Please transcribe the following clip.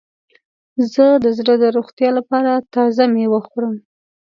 زه د زړه د روغتیا لپاره تازه میوه خورم.